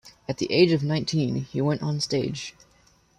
At the age of nineteen he went on the stage.